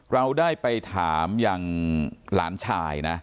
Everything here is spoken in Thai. เราได้ไปถามอย่างหลานชายนะ